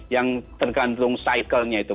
yang tergantung cyclenya itu